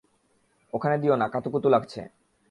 ওখানে দিও না, কাতুকুতু লাগছে।